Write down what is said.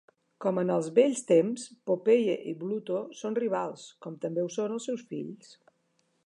Com en els vells temps, Popeye i Bluto són rivals, com també ho són els seus fills.